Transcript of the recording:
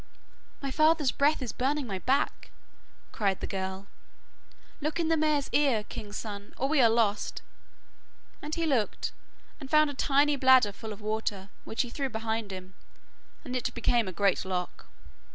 'My father's breath is burning my back,' cried the girl; 'look in the mare's ear, king's son, or we are lost,' and he looked, and found a tiny bladder full of water, which he threw behind him, and it became a great lock.